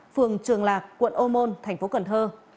phường trường lạc quận ô môn thành phố cần thơ